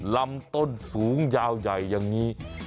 ลำต้นสูงยาวใหญ่อย่างนี้